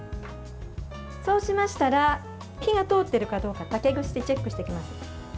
そうしましたら火が通っているかどうか竹串でチェックしていきます。